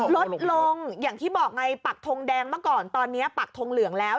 ลดลงอย่างที่บอกไงปักทงแดงเมื่อก่อนตอนนี้ปักทงเหลืองแล้ว